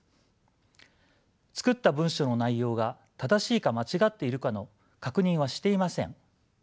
作った文章の内容が正しいか間違っているかの確認はしていません。